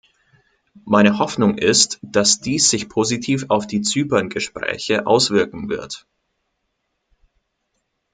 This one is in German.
Meine Hoffnung ist, dass dies sich positiv auf die Zypern-Gespräche auswirken wird.